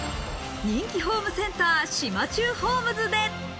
人気ホームセンター、島忠ホームズで。